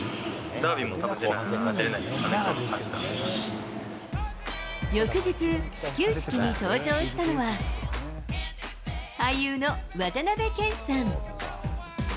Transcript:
ダービーもたぶん出られない、翌日、始球式に登場したのは、俳優の渡辺謙さん。